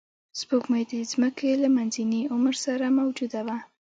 سپوږمۍ د ځمکې له منځني عمر سره موجوده وه